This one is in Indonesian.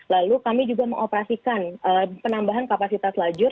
lalu kami juga mengoperasikan penambahan kapasitas lajur